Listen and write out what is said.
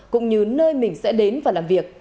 cũng như nơi mình sẽ đến và làm việc